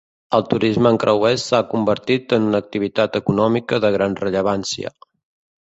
El turisme en creuers s'ha convertit en una activitat econòmica de gran rellevància.